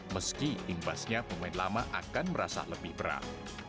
meski imbasnya pemain lama akan merasa lebih berat